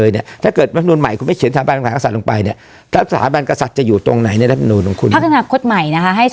เห็นไหมตามรัฐมนุน